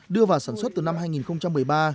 đưa vào sản xuất là hai mươi tấn bột mì